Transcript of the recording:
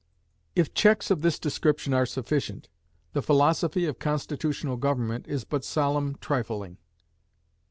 If checks of this description are sufficient, the philosophy of constitutional government is but solemn trifling.